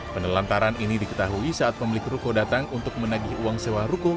penelantaran ini diketahui saat pemilik ruko datang untuk menagih uang sewa ruko